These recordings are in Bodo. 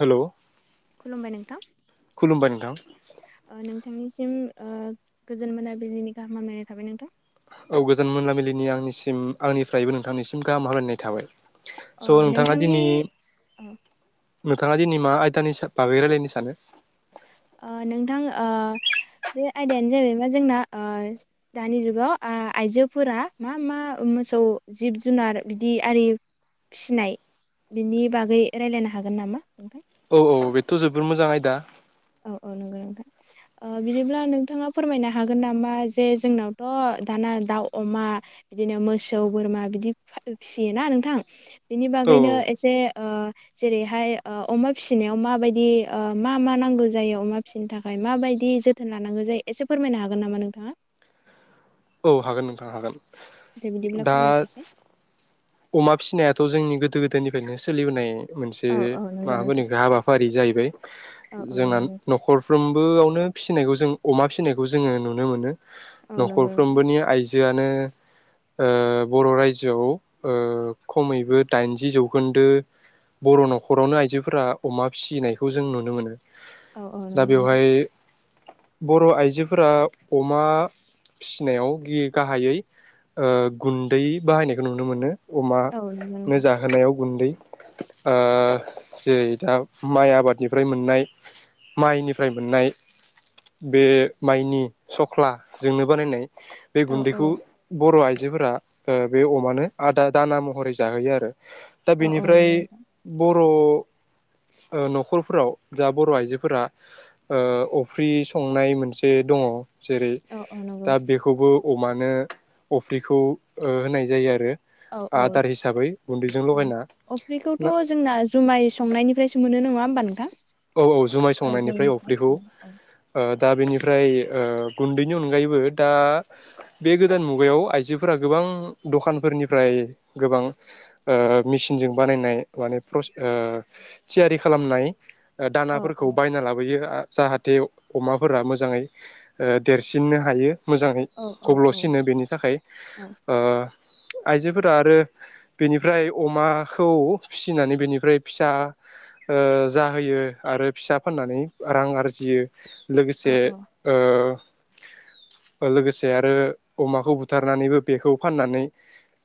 हेल'। खुलुमबाय नोंथां। खुुमबाय नथां। बिथांनिसिम गोजोन मोनाबिलिनि गाहामनाय थाबाय नोंथां। औ गोजान मोनामिलिनि आंनिसिम आंनिफ्रायबो नोंथांनिसिम गाहाम हामलायनाय थाबाय। ओ स' नोंथाङा नोंथांनि दिनै। ओ नोंथाङा दिनै मा आयदानि बागै रायजलायनो सानो। नोंथां बे आयदायानो जाहै मा जोंना दानि जुगाव आइजोफोरा मा मा मोसौ जिब जुनार बिदि आरि फिनाय बिनि बागै राय्लायनो हागोन नामा नोंथाय। औ औ बेथ' जोबोर मोजां आयदा। औ औ नंगौ नोंथां बिदिब्ला नोंथाङा फोरमायनो हागोन नामा जे जोंनावथ' दाना दाउ अमा बिदिनो मोसौ बोरमा बिदि फिसियोना नोंथां। बिनि औ बागैनो एसे जेरैहाय अमा फिसिनायाव माबायदि मा मा नांगौ। जायो अमा फिसिनो थाखाय माबायदि जोथोन लानांगौ जायो एसे फोरमायनो हागोन नामा नोंथाङा औ हागोन नोंथां हागोन दे बिदिब्ला दा फोरमाय ससे अमा फिसिनायाथ' जोंनि गोदो गोदायनिफ्रायनो सोलिबोनाय मोनसे औ औ नंगौ नोंथां माबाफोरनिफ्राय हाबाफारि जाहै बै औ औ जोंना नंगौ नोंथां नखरफ्रोम बोयावनो फिसिनायखौ जों अमा फिसिनायखौ जोङो नुनो मोनो औ नंगौ नोंथां नखरफ्रोमबोनि आइजो जोआनो ओ बर रायजोआव ओ खमैबो दाइनजि जौखोन्दो बर नखरावनो आइजोफोरा अमा फिसिनायखौ जों नुनो मोनो औ औ दा नोंगौ नोंथां बेवहाय बर आइजोफोरा अमा फिसिनायाव गाहायै ओ गुन्दै बाहायनायखौ नु नो मोनो अमा औ नंगौ नो नोंथां जाहोनायाव गुन्दै आ जेरै दा माइ आबादनिफ्राय मोननाय माइनिफ्राय मोननाय बे माइनि सख्ला जोंनो बानायनाय बे औ औ गुन्दैखौ बर आइ जोफोरा ओ बे अमानो आदार दाना महरै जाहोयो आरो दा औ औ नंगौ बेनिफ्राय नोंथां ब बर ओ नखरफोराव दा बर आइजोफोरा ओ अफ्रि संनाय मोनसे दङ जेरै औ औ नंगौ दा बेखौबो अमानो अफ्रिखौ होनाय जायो आरो औ औ आदार हिसाबै गुन्दैजों औ लगायना अफ्रिखौथ ना जोंना जुमाय संनायनिफ्रायसो मोनो नङा होमबा नों थां औ औ जुमाय संनायनिफ्राय अफ्रिखौ औ ओ दा बेनिफ्राय ओ गुन्दैनि अनगायैबो दा बे गोदान मुगायाव आइजोफोरा गोबां दखानफोरनिफ्राय गोबां ओ मेसिनजों बानायनाय माने प्रस ओ थियारि खालामनाय औ औ दानाफोरखौ बायना लाबोयो आ जाहाथे अमाफोरा मोजाङै ओ देरसिननो हायो मोजाङै औ औ औ गब्लसिनो बेनि थाखाय औ ओ आइजोफोरा आरो बेनिफ्राय अमाखौ फिसिनानै बेनिफ्राय फिसा ओ जाहोयो आरो फिसा फाननानै रां आरजियो औ लोगोसे औ ओ लोगोसे आरो अमाखौ बुथारनानैबो बेखौ फाननानै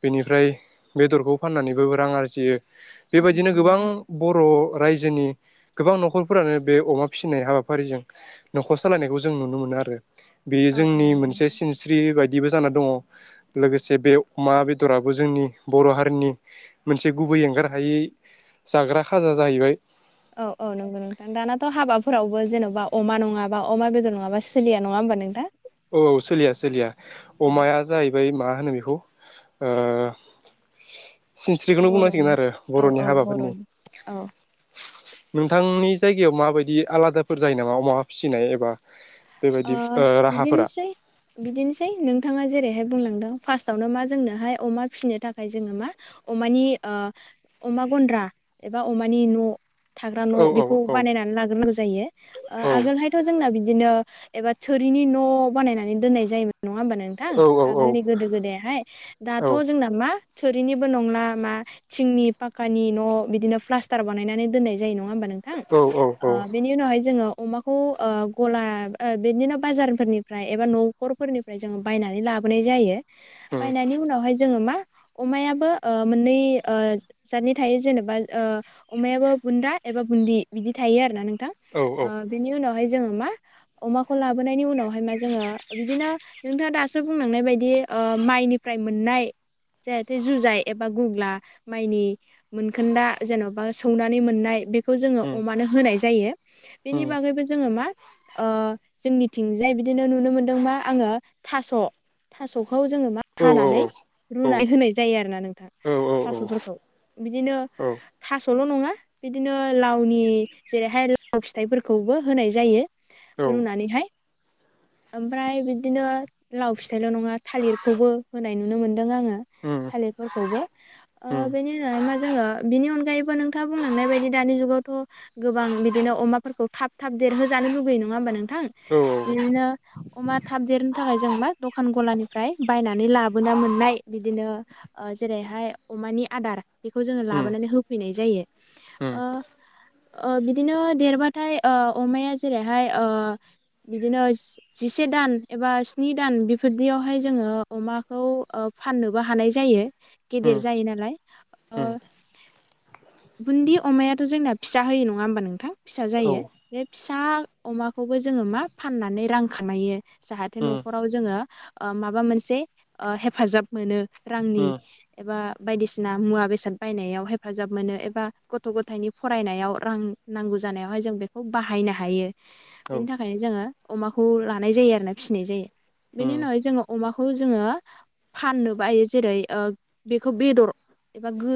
बेनिफ्राय बेदरखौ फाननानैबो रां आरजियो औ बेबायदिनो नंगौ गोबां नोंथां बर रायजोनि गोबां नखरफोरानो बे अमा फिसिनाय हाबाफारिजों नखर सालायनायखौ जों नुनो मोनो आरो बेयो औ औ जोंनि नंगौ मोनसे नोंथां सिनस्रि बाय- बिदिबो जानानै दङ लोगोसे बे अमा बेदराबो जोंनि बर हारिनि मोनसे गुबै एंगार हायै जाग्रा खाजा जाहैबाय औ औ नंगौ नोंथां, दानाथ' हाबा फोरावबो जेन'बा अमा नङाबा अमा बेदर नङाबा सोलिया, नङा होमबा नोंथां? औ सोलिया सोलिया औ अमाया जाहै बाय मा होनो बेखौ ओ सिनस्रिखौनो बुंनांसिगोन बर'नि आरो औ बर'नि औ हाबाफोरनि बर'नि औ नोंथांनि जायगायाव माबायदि आलादाफोर जायो नामा अमा फिसिनाय एबा बेबायदि ओ राहा बिदिनोसै बिदिनोसै नों थाङा जेरैहाय बुंलांदों फास्टआवनो मा जोंनोहाय अमा फिसिनो थाखाय जोङो मा अमानि ओ अमा गन्द्रा एबा अमानि न' थाग्रा न' औ औ बेखौ औ बानायनानै लाग्रोनांगौ जायो । ओ औ आगोलहायथ' जोंना बि दिनो एबा थोरिनि न' बानायनानै दोननाय जायोमोन। नङा होमबा नोंथां? औ औ आगोलनि गोदो गोदायाहाय, औ दाथ' जोंना मा थुरिनिबो नंला मा थिंनि फाख्खानि न' बिदिनो प्लास्टार बानायनानै दोननाय जायो। नङा होमबा नोंथां? औ ओ औ बेनि उनावहाय जोङो अमाखौ गला ओ बिदिनो बाजारफोरनिफ्राय एबा न'खरफोरनिफ्राय जोङो बायनानै लाबोनाय जायो। उम बायनायनि उनावहाय जोङो मा अमायाबो ओ मोननै ओ जदनि थायो जेनेबा ओ अमायाबो बुन्दा एबा बुन्दि बिदि थायो आरो ना नों थां। औ ओ बिनि उनाव हाय जोङो मा अमाखौ लाबोनायनि उनावहाय मा जोङो बिदिनो नोंथाङा दासो बुंलांनाय बायदि ओ माइनिफ्राय मोननाय जाहाथे जुजाइ एबा गुग्ला माइनि मोनखोन्दा जेन'बा सौनानै मोननाय बे खौ जोङो उम अमानो होनाय जायो। बेनि उम बागैबो जोङो मा ओ जोंनिथिंजाय बिदिनो नुनो मोनदों मा आङो थास'-थास' खौ जाङो मा औ औ हानानै रूना होनानै होनाय जायो आरोना नोंथां औ थास'फोरखौ, बिदिनो औ थास' ल' नङा बिदिनो लावनि जेरैहाय लाव फिथाइफोरखौबो होनाय जायो औ औ रुनानैहाय। ओमफ्राय बिदिनो लाव फिथाइल' नङा थालिरखौबो होनाय नुनो मोनो मोनदों आङो उम थालिरफोरखौबो उम ओ बेनि उनाव जोङो बिनि अनगायैबो नोंथाङा बुंलांनाय बायदि दानि जुगावथ' गोबां बिदिनो अमाफोरखौ थाब थाब देरहोजानो लु गैयो नङा होमबा नों थां औ बिदिनो अमा थाब देर थाखाय जों मा दखान गलानिफ्राय बायनानै लाबोना मोननाय बिदिनो ओ जेरैहाय अमानि आदार बेखौ जोङो उम लाबोनानै होफैनाय जायो। उम बिदिनो देरबाथाय ओ अमाया जेरैहाय ओ बिदिनो जिसे दान एबा स्नि दान बेफोरदियावहाय जोङो अमाखौ फाननोबो हानाय जायो उम गेदेर जायो नालाय बुन्दि अमायाथ' जोंना फिसा होयो नङा होमबा नोंथां फिसा औ जायो बे फिसा अमाखौबो जोङो मा फाननानै रां खामायो जाहाथे उम न'खराव जोङो माबा मोनसे हेफाजाब मोनो। रांनि एबा बायदिसिना मुवा बेसाद बायनायाव हेफाजाब मोनो एबा गथ' गथायनि फरायनायाव रां नांगौ जानायावहाय जों बेखौ बाहायनो हायो बेनि थाखायनो जोङो अमाखौ लानाय जायो आरोना फिसिनाय जायो उम औ बेनि उम उनावहाय जोङो अमाखौ जोङो फाननो बायो जेरै बेखौ बेदर एबा गो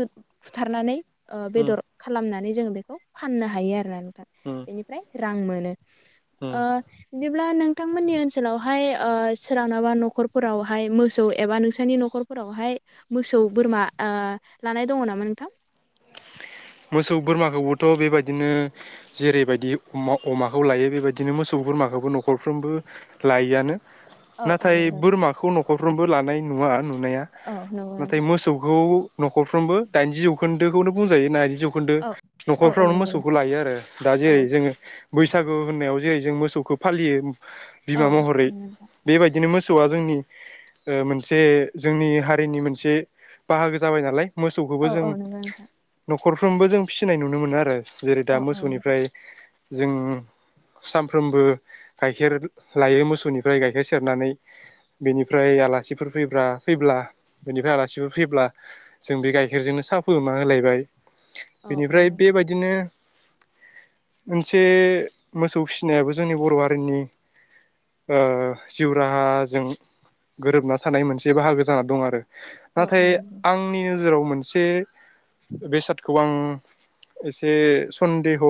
बुथारनानै ओ उम बेदर खालामनानै जों बेखौ फाननो हायो आरो उम बेनिफ्राय रां मोनो उम बिदिब्ला नोंथांमोननि ओनसोलावहाय ओ सोरावनाबा न'खरफोरावहाय मोसौ एबा नोंसोरनि न'खरफोरावहाय मोसौ बोरमा लानाय दङ नामा नोंथां? मोसौ बोरमाखौबोथ' बेबायदिनो जेरैबायदि अमाखौ लायो बेबायदिनो मोसौ बोरमाखौबो न'खरफ्रोमबो लायो आनो औ औ नाथाय नंगौ नोंथां बोरमाखौ न'ख खरफ्रोमबो लानाय नुवा नु नाया औ नंगौ नाथाय नोंथां मोसौखौ न'खरफ्रोमबो दाइनजि जौखोन्दोखौनो बुंजायो नारजि जौखोन्दो औ औ औ न'खरफ्रावनो नंगौ मोसौखौ नोंथां लायो आरो दा औ जेरै जोङो बैसागु होननायाव जेरै जों मोसौखौ फालियो। औ बिमा महरै नंगौ नोंथां बेबायदिनो मोसौआ जोंनि ओ मोनसे जोंनि हारिनि मोनसे बाहागो जाबाय नालाय मोसौखौबो औ जों नंगौ नोंथां नखरफ्रोमबो जों फिसिनाय नुनो मोनो आरो जेरै दा औ औ नोंथां मोसौनिफ्राय जों सानफ्रोमबो गाइखेर लायो मोसौनिफ्राय गाइखेर सेरनानै बेनिफ्राय आलासिफोर फै फैब्ला बेनिफ्राय आलासिफोर फैब्ला जों बे गाइखेरजोंनो साहा फोमा होलायबाय। बेनिफ्राय औ बेबायदिनो मोनसे मोसौ फिसिनायाबो जोंनि बर' हारिनि ओ जिउ राहाजों गोरोबना थानाय मोनसे बाहागो जाना दं आरो औ नोंथां औ नाथाय नंगौ आंनि नोजोराव मोन मोनसे बे सार्टखौ आं एसे सन्देह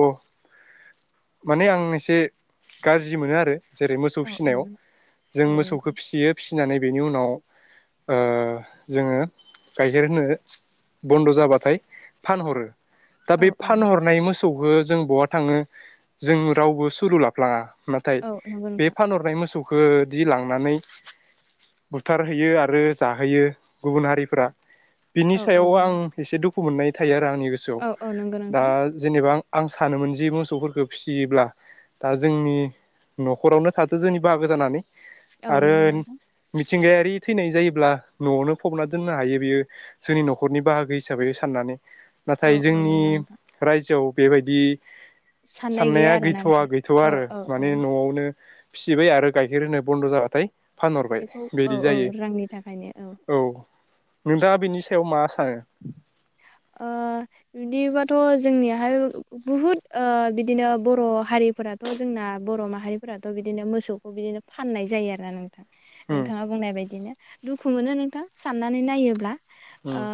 माने आं एसे गाज्रि मोनो आरो जेरै मोसौ फिसिनायाव जों औ नोंथां औ मोसौखौ नोंथां फिसियो फिनानै बेनि उनाव जोङो गाइखेर होनो बन्द' जाबाथाय फानहरो दा औ बे औ नोंथां फानहरनाय मो सौहो जों बहा थाङो जों रावबो सुलु लाफ्लाङा। नाथाय औ नंगौ बे नोंथां फानहरनाय मोसौखौ खदि लांनानै बुथारहैयो आरो जाहोयो गुबुन हारिफोरा बिनि औ औ सायाव आं नंगौ एसे दुखु दुखु मोननाय थाया। दा आंनि गोसोआव औ औ नंगौ दा नोंथां जेनेबा आं आं सानोमोन जि मोसौफोरखौ फिसियोब्ला दा जोंनि न'खरावनो थाथों जोंनि बाहागो जानानै। औ आरो नंगौ नोंथां। मिथिंगायारि थैनाय जायोब्ला न'आवनो फबना दोननो हायो बेयो जोंनि न'खरनि बाहागो हिसाबै साननानै। औ नाथाय औ जोंनि नंगौ नोंथां रायजोआव बेबायदि साननाय साननाया गैया आरोना गैथवा नोंथां गैथवा औ आरो औ माने औ न'आवनो फिसिबाय आरो गाइखेर होनो बन्द जाबाथाय फानहरबाय बेखौ औ बिदि औ जायो रांनि थाखायनो औ। नोंथाङा बिनि सायाव मा सानो? ओ बिदिबाथ जोंनियाहाय बुहुद ओ बिदिनो बर' हारिफोराथ' जोंना बर माहारिफोराथ' बिदिनो मोसौखौ बिदिनो फाननाय जायो आरोना नोंथां। उम नोंथाङा बुंनाय बायदिनो दुखु मोनो नोंथां साननानै नायोब्ला । ओ उम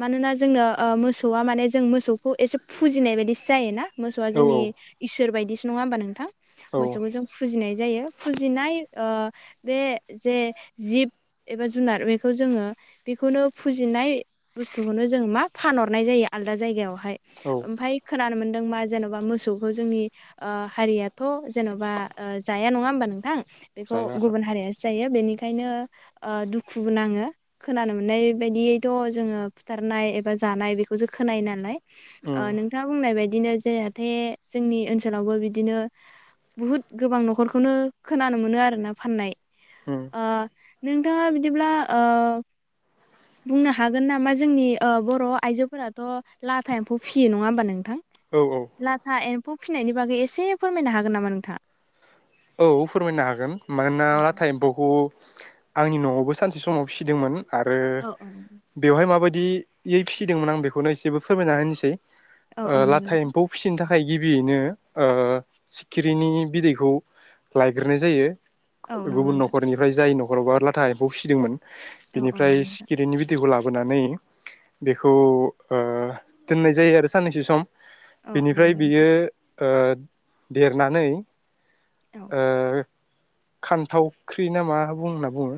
मानोना जो जोंनो ओ मोसौआ माने जों मोसौखौ एसे फुजिनाय बायदिसो जायोना। मोसौआ औ जोंनि औ इसोर बायदिसो नङा होमबा नोंथां? औ मोसौखौ जों फुजिनाय जायो फुजिनाय ओ बे जे जिब एबा जुनार बेखौ जोङो बिखौनो फुजिनाय बुस्तुखौनो जो जों मा फानहरनाय जायो आलदा जायगायावहा फाय औ ओमफाय खोनानो मोन नों मा जेनबा मोसौखौ जोंनि ओ हारियाथ' जेनबा ओ जाया नङा होमबा नोंथां? बेखौ जायो आरो गुबुन हारियासो जायो बेनिखायनो ओ दुखुबो नाङो खोनानो मोननाय बायदियैथ' जोङो फुथ थारनाय एबा जानाय बेखौसो खोनायो नालाय उम ओ नोंथाङा बुंनाय बायदिनो जेहाथे जोंनि ओनसोलावबो बिदिनो बहुद गोबां न'खरखौनो खोनानो मोनो आरोना फाननाय। उम ओ नोंथाङा बिदिब्ला ओ बुंनो हागोन नामा जे जोंनि ओ बर आइजोफोराथ' लाथा एम्फौ फियो नङा होमबा नोंथां? औ लाथा एम फौ फिननायनि बागै एसे फोरमायनो हागोन नामा नोंथाङा? औ फोरमायनो हागोन मानोना औ लाथा एम्फौखौ आंनि न'आवबो सानसे समाव फिसिदोंमोन। आरो औ बेवहाय माबाय दियै फिसिदोंमोन आं बेखौनो एसेबो फोरमायना होनोसै। औ औ ओ नंगौ लाथा नोंथां एम्फौ फिसिनो था खाय गिबियैनो ओ सिखिरिनि बिदैखौ लायग्रोनाय जायो। औ नंगौ गुबुन नोंथां न'खरनिफ्राय जाय न' [unintelligible] लाथा एम्फौ फिसिदोंमोन। औ औ बिनिफ्राय नंगौ नोंथां सिखिरिनि बिदैखौ ला बोनानै बेखौ ओ दोननाय जायो आरो साननैसो सम। औ औ बिनिफ्राय नंगौ बियो नोंथां ओ देरनानै औ ओ खान्थावख्रि ना मा बुंना बुङो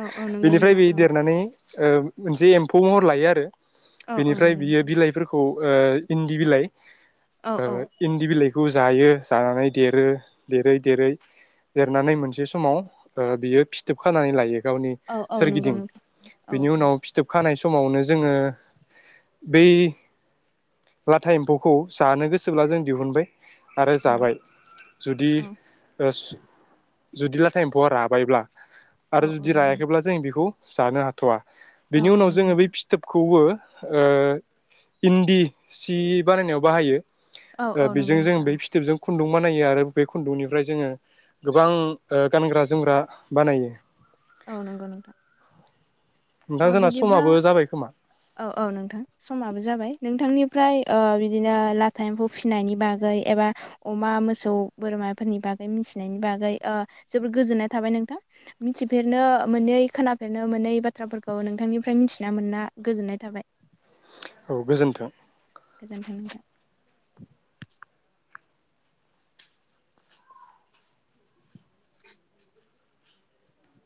औ औ नंगौ बिनिफ्राय नोंथां बे देरनानै ओ मोनसे एम्फौ महर लायो आरो औ बेनिफ्राय बियो बिलाइफोरखौ ओ इन्दि बिलाइ ओ इन्दि बिलाइ खौ जायो जानानै देरो। देरै देरै देरनानै मोनसे समाव ओ बियो फिथोब खानानै लायो। गावनि औ नंगौ सोरगिदिं। नोंथां औ बिनि औ नंगौ नोंथां औ उनाव फिथोब खानाय समावनो जोङो बै लाथा एम्फौखौ जानो गोसोब्ला जों दिहुनबाय। आरो औ जाबाय। दि औ जुदि लाथा एम्फौवा राबायब्ला औ आरो औ जुदि नंगौ नोंथां रायाखैब्ला जों बेखौ जानो हाथ'वा औ बेनि औ उनाव नंगौ जोङो बे नोंथां फिथोबखौबो ओ इन्दि सि बानायनायाव बाहायो। औ ओ औ नंगौ बेजों जों नोंथां बै फिथोबजों खुन्दुं बानायो आरो बे खुन्दुंनिफ्राय जोङो गोबां ओ गानग्रा जोमग्रा बानायो। औ नंगौ नोंथां। नोंथां ओ जोंना बिदिब्ला समाबो जाबाय खोमा। औ औ नोंथां समाबो जाबाय नोंथांनिफ्राय ओ बिदिनो लाथा एम्फौ फिसिनायनि बागै एबा अमा मोसौ बोरमाफोरनि बागै मिथिनायनि बागै जोबोर गोजोननाय थाबाय नोंथां मिथिफेरनो मोननै खोनाफेरनो मोननै बाथ्राफोरखौ नोंथांनिफ्राय मिथिना मोना गोजोननाय थाबाय औ गोजोन्थों गोजोन्थों नोंथां